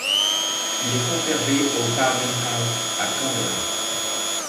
Il est conservé au Parliament House à Canberra.